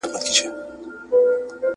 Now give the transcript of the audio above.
له عمرونو په دې کور کي هستېدله ..